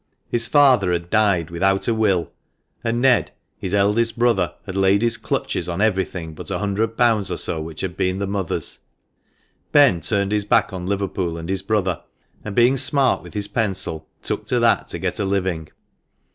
His father had died without a will, and Ned, his eldest brother, had laid his clutches on everything but a hundred pounds or so, which had been the mother's. Ben turned his back on Liverpool and his brother, and being smart with his pencil, took to that to get a living.